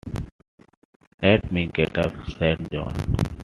"Let me get up," said John.